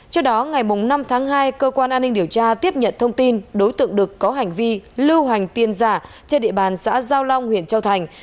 trước đó ngày năm tháng hai cơ quan an ninh điều tra tiếp nhận thông tin đối tượng đực có hành vi lưu hành tiền giả trên địa bàn xã giao long huyện châu thành